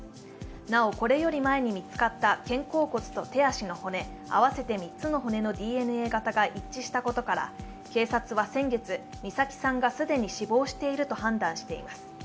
なお、これより前に見つかった肩甲骨と手足の骨、合わせて３つの骨のＤＮＡ型が一致したことから、警察は先月、美咲さんが既に死亡していると判断しています。